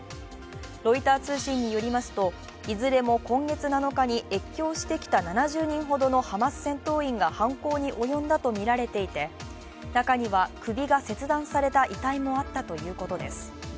ロイター通信によりますと、いずれも今月７日に越境してきた７０人ほどのハマス戦闘員が犯行に及んだとみられていて中には、首が切断された遺体もあったということです。